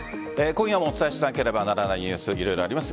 今夜もお伝えしなければならないニュース、色々あります。